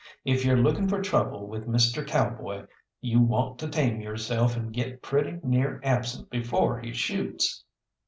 If you're looking for trouble with Mr. Cowboy, you want to tame yourself and get pretty near absent before he shoots.